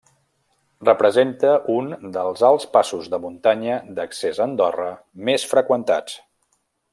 Representa un dels alts passos de muntanya d'accés a Andorra més freqüentats.